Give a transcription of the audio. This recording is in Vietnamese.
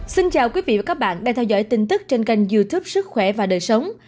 xin chào quý vị và các bạn đang theo dõi tin tức trên kênh youtube sức khỏe và đời sống